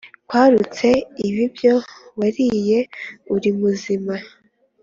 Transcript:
kwarutse ibibyo wariye urimuzima.